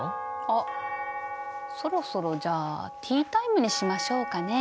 あそろそろじゃあティータイムにしましょうかね。